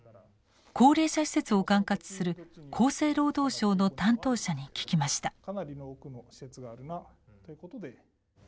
高齢者施設を管轄する厚生労働省の担当者に聞きました。